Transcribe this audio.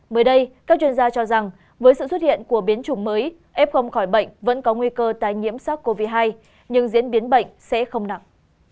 mới đây các chuyên gia cho rằng với sự xuất hiện của biến chủng mới f khỏi bệnh vẫn có nguy cơ tai nhiễm sars cov hai nhưng diễn biến bệnh sẽ không nặng